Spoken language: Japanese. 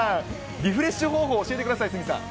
リフレッシュ方法、教えてください、鷲見さん。